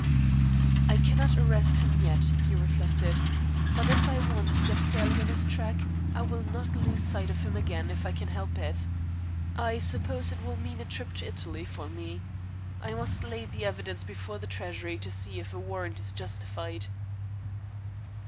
"I cannot arrest him yet," he reflected; "but if I once get fairly on his track, I will not lose sight of him again if I can help it. I suppose it will mean a trip to Italy for me. I must lay the evidence before the Treasury to see if a warrant is justified."